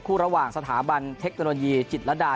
ระหว่างสถาบันเทคโนโลยีจิตรดา